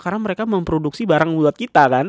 karena mereka memproduksi barang buat kita kan